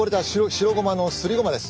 白ごまのすりごまです。